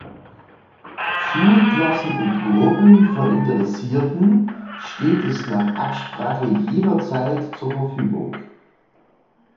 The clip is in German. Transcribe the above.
Schulklassen und Gruppen von Interessierten steht es nach Absprache jederzeit zur Verfügung.